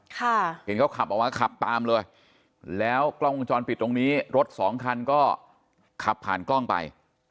เห็นเขาขับออกมาขับตามเลยแล้วกล้องวงจรปิดตรงนี้รถสองคันก็ขับผ่านกล้องไป